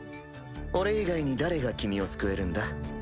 俺以外に誰が君を救えるんだ？